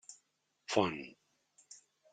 Font: